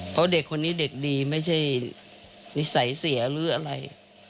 เพราะเด็กคนนี้เด็กดีไม่ใช่นิสัยเสียหรืออะไร